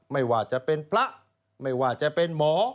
ไม่ว่าจะเป็นพระไม่ว่าจะเป็นหมอ